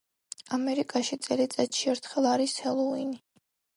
ამერიკაში წელიწადში ერთხელ არის ჰელოუინი.